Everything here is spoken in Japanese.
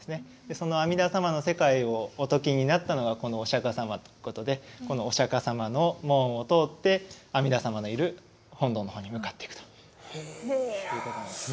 その阿弥陀様の世界をお説きになったのがこのお釈迦様ということでこのお釈迦様の門を通って阿弥陀様のいる本堂の方に向かっていくということなんですね。